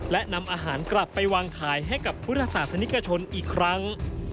และนำอาหารกลับไปวางขายให้กับพุทธศาสนิกชนอีกครั้ง